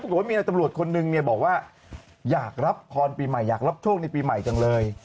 บอกว่ามีนายตำรวจคนนึงเนี่ยบอกว่าอยากรับพรปีใหม่อยากรับโชคในปีใหม่จังเลย